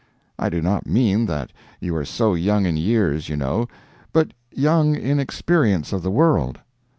I do not mean that you are so young in years, you know, but young in experience of the world.